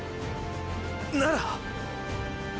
なら。